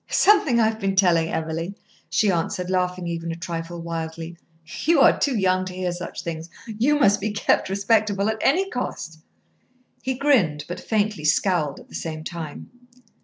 "Something I have been telling Emily," she answered, laughing even a trifle wildly. "You are too young to hear such things. You must be kept respectable at any cost." He grinned, but faintly scowled at the same time.